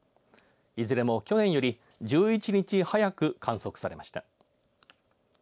いずれも去年より１１日早く観測されました。